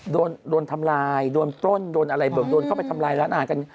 โดนโดนทำลายโดนปล้นโดนอะไรเบิกโดนเข้าไปทำลายร้านอาหารกัน